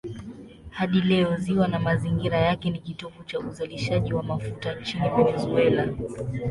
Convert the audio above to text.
Hadi leo ziwa na mazingira yake ni kitovu cha uzalishaji wa mafuta nchini Venezuela.